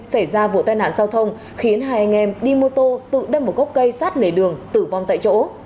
xảy ra vụ tai nạn giao thông khiến hai anh em đi mô tô tự đâm vào gốc cây sát lề đường tử vong tại chỗ